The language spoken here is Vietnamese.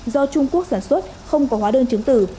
do trung quốc sản xuất không có hóa đơn chứng tử